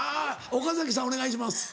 岡咲さんお願いします。